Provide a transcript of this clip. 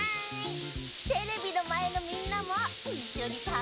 テレビのまえのみんなもいっしょにかんがえてね。